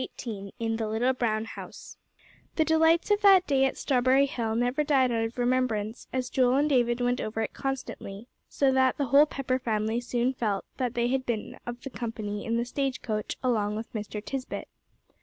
XVIII IN THE LITTLE BROWN HOUSE The delights of that day at Strawberry Hill never died out of remembrance, as Joel and David went over it constantly, so that the whole Pepper family soon felt that they had been of the company in the stage coach along with Mr. Tisbett.